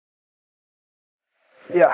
kita bisa tetap tetap lakukan